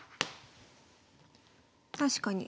確かに。